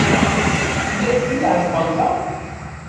Tella tbelleɛ tbanka?